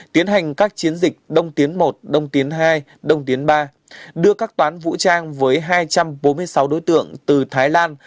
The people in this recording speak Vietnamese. tiến hành các chiến dịch đông tiến một đông tiến hai đông tiến ba đưa các toán vũ trang với hai trăm bốn mươi sáu đối tượng từ thái lan